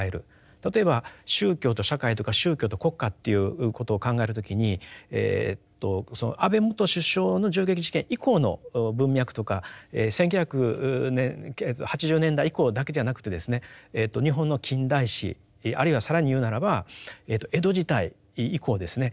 例えば宗教と社会とか宗教と国家っていうことを考える時に安倍元首相の銃撃事件以降の文脈とか１９８０年代以降だけじゃなくてですね日本の近代史あるいは更に言うならば江戸時代以降ですね